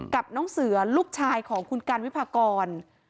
กับน้องเสือลูกชายของคุณกันวิพากร